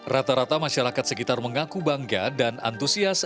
rata rata masyarakat sekitar mengaku bangga dan antusias